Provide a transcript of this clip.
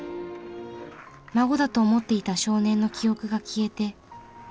孫だと思っていた少年の記憶が消えて残された夫婦が。